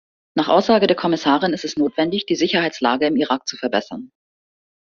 Nach Aussage der Kommissarin ist es notwendig, die Sicherheitslage im Irak zu verbessern.